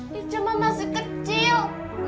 dia cuma masih kecil